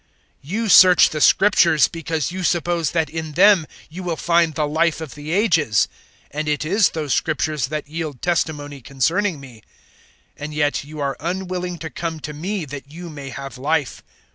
005:039 "You search the Scriptures, because you suppose that in them you will find the Life of the Ages; and it is those Scriptures that yield testimony concerning me; 005:040 and yet you are unwilling to come to me that you may have Life.